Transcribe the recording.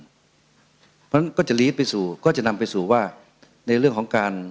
เพราะฉะนั้นก็จะลีดไปสู่ก็จะนำไปสู่ว่าในเรื่องของการ